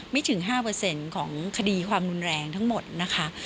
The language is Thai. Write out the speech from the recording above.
ถึง๕ของคดีความรุนแรงทั้งหมดนะคะ